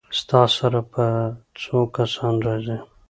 ستا سره به څو کسان راځي؟